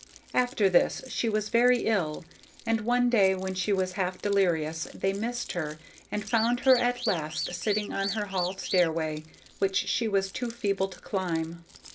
After this she was very ill, and one day, when she was half delirious, they missed her, and found her at last sitting on her hall stairway, which she was too feeble to climb.